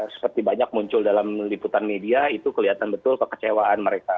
seperti banyak muncul dalam liputan media itu kelihatan betul kekecewaan mereka